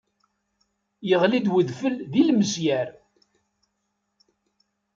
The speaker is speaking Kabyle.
Yeɣli-d wedfel d ilmesyar.